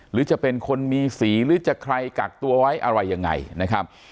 หรือจะเป็นคนมีสีหรือจะใครกักตัวไว้อะไรยังไงนะครับ